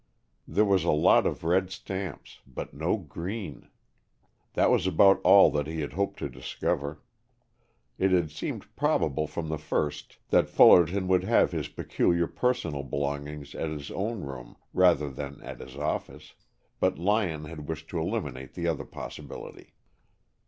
There was a lot of red stamps, but no green. That was about all that he had hoped to discover. It had seemed probable from the first that Fullerton would have his peculiar personal belongings at his own room rather than at his office, but Lyon had wished to eliminate the other possibility.